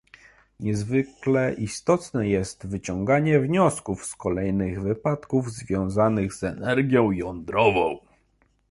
Niezwykle istotne jest wyciągnięcie wniosków z kolejnych wypadków związanych z energią jądrową